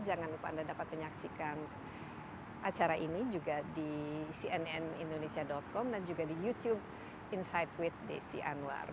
jangan lupa anda dapat menyaksikan acara ini juga di cnnindonesia com dan juga di youtube insight with desi anwar